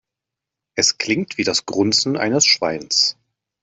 Es klingt wie das Grunzen eines Schweins.